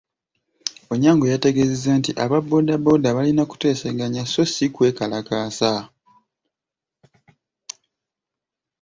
Onyango yategeezezza nti aba bbooda bbooda balina kuteesaganya so ssi kwekalakaasa.